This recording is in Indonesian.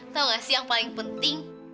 tahu nggak sih yang paling penting